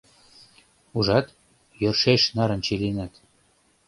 Ужат, йӧршеш нарынче лийынат.